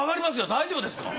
大丈夫ですか？